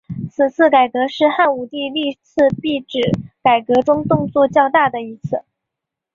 此次改革是汉武帝历次币制改革中动作较大的一次。